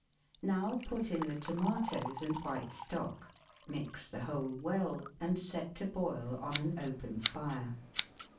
Now put in the tomatoes and white stock, mix the whole well, and set to boil on an open fire.